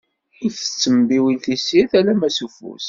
Ur tettembiwil tessirt, alamma s ufus.